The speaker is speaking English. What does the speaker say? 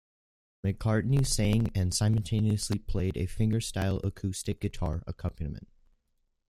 McCartney sang and simultaneously played a fingerstyle acoustic guitar accompaniment.